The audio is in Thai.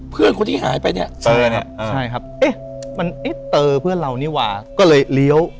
เพื่อนคนที่หายไปเนี่ยเจอเนี่ยใช่ครับเอ๊ะมันเอ๊ะเตอร์เพื่อนเรานี่หว่าก็เลยเลี้ยว